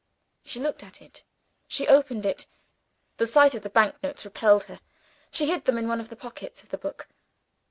She looked at it. She opened it. The sight of the bank notes repelled her; she hid them in one of the pockets of the book.